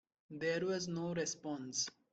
There was no response.